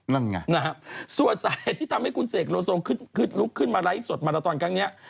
นั่นไงนะครับส่วนใส่ที่ทำให้คุณเสกโลโซงลุกขึ้นมาไลฟ์สดมาละตอนกันเนี่ย